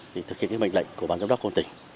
thì thực hiện cái mệnh lệnh của bản giám đốc công tỉnh